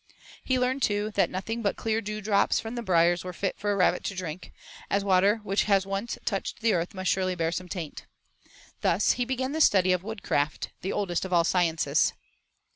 He learned, too, that nothing but clear dewdrops from the briers were fit for a rabbit to drink, as water which has once touched the earth must surely bear some taint. Thus he began the study of woodcraft, the oldest of all sciences.